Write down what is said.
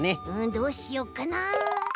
どうしよっかな。